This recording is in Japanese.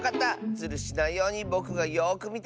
ズルしないようにぼくがよくみてるからね。